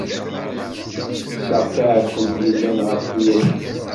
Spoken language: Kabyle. Kkseɣ taɛkemt yellan ɣef tuyat-is.